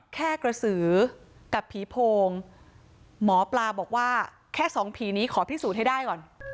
แค่กระสือกับผีโพงหมอปลาบอกว่าแค่สองผีนี้ขอพิสูจน์ให้ได้ก่อน